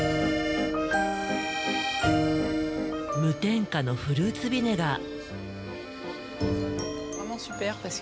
無添加のフルーツビネガー。